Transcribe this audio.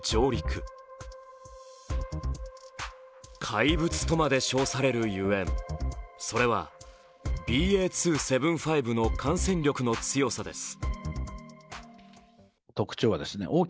怪物とまで称されるゆえん、それはＢＡ．２．７５の感染力の強さです